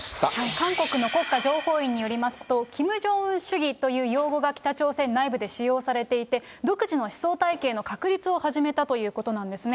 韓国の国家情報院によりますと、キム・ジョンウン主義という用語が北朝鮮内部で使用されていて、独自の思想体系の確立を始めたということなんですね。